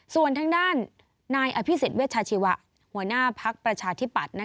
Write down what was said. ส่วนทางด้านนายอภิษฎเวชาชีวะหัวหน้าภักดิ์ประชาธิปัตย์